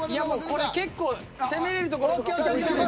これ結構攻めれるところとか。